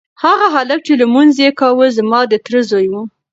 هغه هلک چې لمونځ یې کاوه زما د تره زوی و.